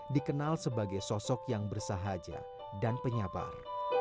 dikenal sebagai sosok yang bersahaja dan penyabar